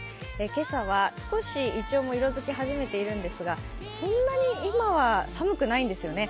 今朝は少しいちょうも色づき始めているんですがそんなに今は寒くないんですよね。